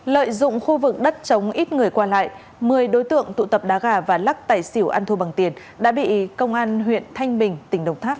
lợi dụng khu vực đất chống ít người qua lại một mươi đối tượng tụ tập đá gà và lắc tài xỉu ăn thua bằng tiền đã bị công an huyện thanh bình tỉnh đồng tháp